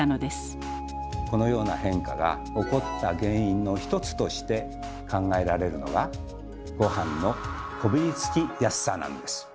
このような変化が起こった原因の一つとして考えられるのがごはんのこびりつきやすさなんです。